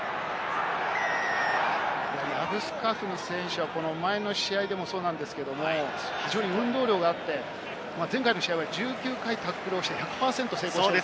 ラブスカフニ選手は前の試合でもそうですが、非常に運動量があって前回の試合は１９回タックルをして１００％成功。